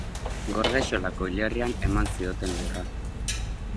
Gordexolako hilerrian eman zioten lurra.